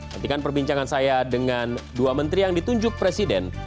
nantikan perbincangan saya dengan dua menteri yang ditunjuk presiden